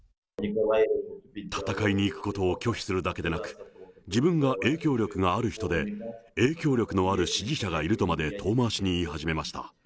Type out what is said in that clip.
戦いに行くことを拒否するだけでなく、自分が影響力がある人で、影響力のある支持者がいるとまで遠回しに言い始めました。